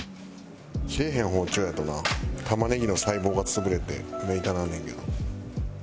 切れへん包丁やとな玉ねぎの細胞が潰れて目痛なるねんけど。